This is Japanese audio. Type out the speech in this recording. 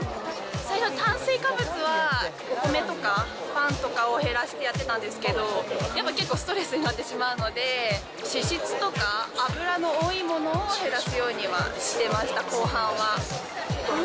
最初、炭水化物はお米とかパンとかを減らしてやってたんですけど、やっぱ結構ストレスになってしまうので、脂質とか、脂の多いものを減らすようにはしてました、後半は。